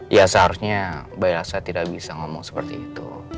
ya seharusnya mbak elsa tidak bisa ngomong seperti itu